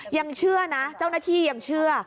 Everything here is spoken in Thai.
ยังเชื่อนะเจ้าหน้าที่ยังเชื่อ